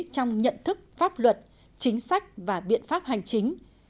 trong nhận thức pháp luật chính sách và biện pháp hành chính